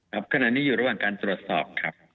ขณะนี้อยู่ระหว่างการตรวจสอบครับ